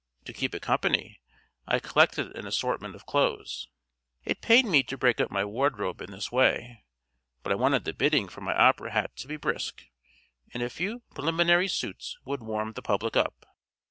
To keep it company I collected an assortment of clothes. It pained me to break up my wardrobe in this way, but I wanted the bidding for my opera hat to be brisk, and a few preliminary suits would warm the public up.